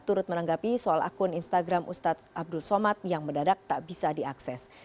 turut menanggapi soal akun instagram ustadz abdul somad yang mendadak tak bisa diakses